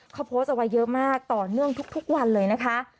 เขาโพสต์เอาไว้เยอะมากต่อเนื่องทุกวันเลยนะคะ